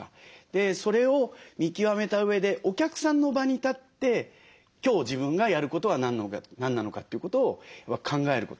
それを見極めたうえでお客さんの場に立って今日自分がやることは何なのかということを考えること。